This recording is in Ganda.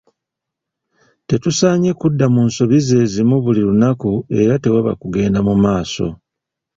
Tetusaanye kudda mu nsobi zeezimu buli lunaku era tewaba kugenda mu maaso.